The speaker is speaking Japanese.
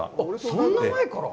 そんな前から？